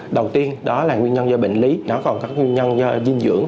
đầu tiên đó là nguyên nhân do bệnh lý nó còn các nguyên nhân do dinh dưỡng